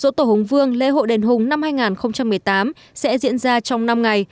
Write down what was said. dỗ tổ hùng vương lễ hội đền hùng năm hai nghìn một mươi tám sẽ diễn ra trong năm ngày